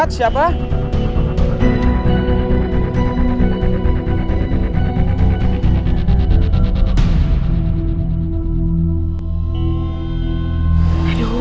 aduh siapa sih